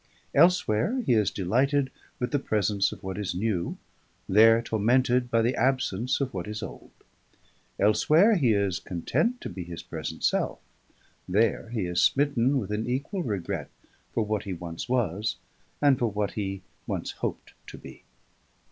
Elsewhere he is delighted with the presence of what is new, there tormented by the absence of what is old. Elsewhere he is content to be his present self; there he is smitten with an equal regret for what he once was and for what he once hoped to be.